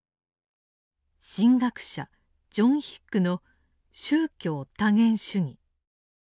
神学者ジョン・ヒックの「宗教多元主義」。